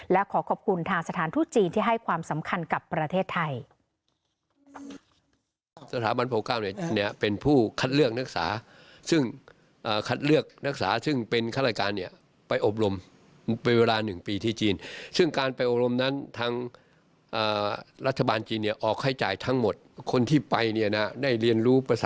และขอขอบคุณทางสถานทูตจีนที่ให้ความสำคัญกับประเทศไทย